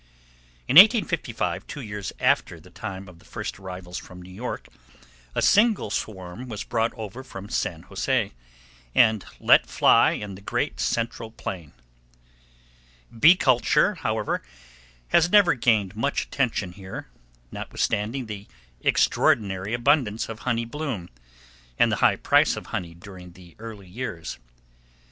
In 1855, two years after the time of the first arrivals from New York, a single swarm was brought over from San José, and let fly in the Great Central Plain. Bee culture, however, has never gained much attention here, notwithstanding the extraordinary abundance of honey bloom, and the high price of honey during the early years.